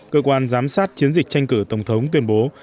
cơ quan giám sát chiến dịch tranh cử tổng thống tuyên bố